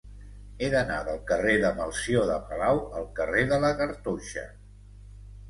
He d'anar del carrer de Melcior de Palau al carrer de la Cartoixa.